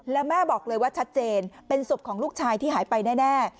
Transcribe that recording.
แล้วแม่บอกเลยว่าชัดเจนเป็นศพของลูกชายที่หายไปแน่